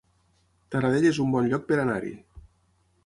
Taradell es un bon lloc per anar-hi